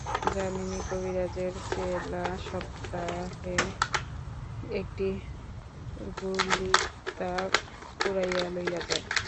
যামিনী কবিরাজের চেলা সপ্তাহে একটি গুললিতা কুড়াইয়া লইয়া যায়।